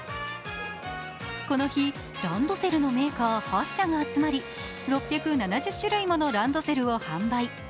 この日、ランドセルのメーカー８社が集まり６７０種類ものランドセルを販売。